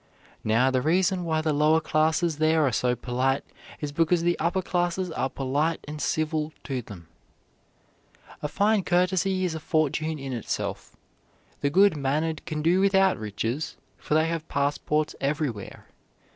Now, the reason why the lower classes there are so polite is because the upper classes are polite and civil to them." A fine courtesy is a fortune in itself. The good mannered can do without riches, for they have passports everywhere.